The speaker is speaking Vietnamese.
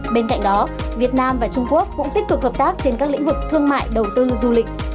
bên cạnh đó việt nam và trung quốc cũng tích cực hợp tác trên các lĩnh vực thương mại đầu tư du lịch